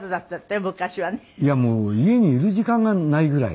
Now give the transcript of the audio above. いやもう家にいる時間がないぐらい。